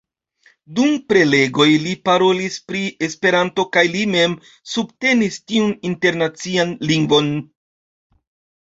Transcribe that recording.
Dum prelegoj, li parolis pri Esperanto kaj li mem subtenis tiun Internacian Lingvon.